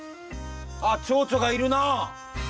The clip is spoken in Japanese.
あっちょうちょがいるな。